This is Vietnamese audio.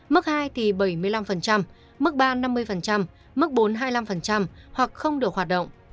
mức hai thì bảy mươi năm mức ba năm mươi mức bốn trăm hai mươi năm hoặc không được hoạt động